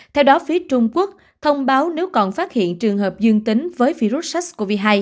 theo đó phía trung quốc thông báo nếu còn phát hiện trường hợp dương tính với virus sars cov hai